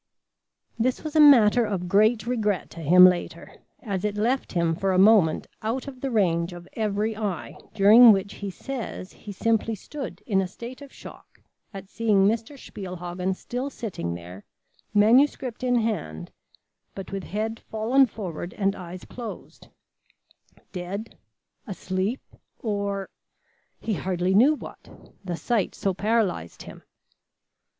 This was a matter of great regret to him later, as it left him for a moment out of the range of every eye, during which he says he simply stood in a state of shock at seeing Mr. Spielhagen still sitting there, manuscript in hand, but with head fallen forward and eyes closed; dead, asleep or he hardly knew what; the sight so paralyzed him.